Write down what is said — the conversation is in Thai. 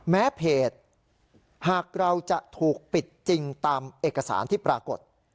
เพจหากเราจะถูกปิดจริงตามเอกสารที่ปรากฏ